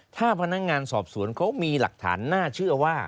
ถ้าพนักงานสอบสวนเขามีหลักฐานน่าเชื่อว่า